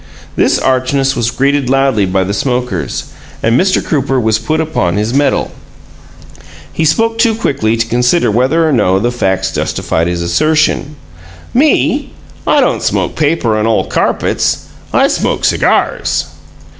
This archness was greeted loudly by the smokers, and Mr. Crooper was put upon his mettle. He spoke too quickly to consider whether or no the facts justified his assertion. "Me? I don't smoke paper and ole carpets. I smoke cigars!"